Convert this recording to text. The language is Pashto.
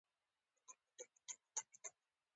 د بیان ازادي مهمه ده ځکه چې د سولې بنسټ دی.